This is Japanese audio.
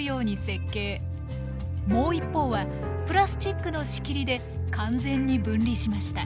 もう一方はプラスチックの仕切りで完全に分離しました。